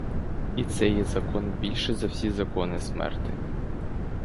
І це є закон більший за всі закони смерти.